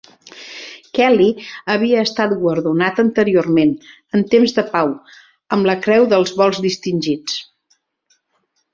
Kelly havia estat guardonat anteriorment, en temps de pau, amb la Creu dels Vols Distingits.